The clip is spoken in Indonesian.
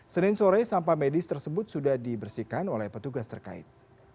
senin sore sampah medis tersebut sudah dibersihkan oleh petugas terkait